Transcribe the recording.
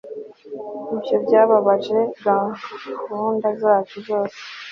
ibyo byababaje gahunda zacu zose